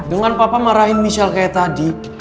dengan papa marahin michel kayak tadi